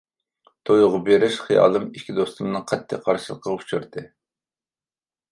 تويغا بېرىش خىيالىم ئىككى دوستۇمنىڭ قەتئىي قارشىلىقىغا ئۇچرىدى.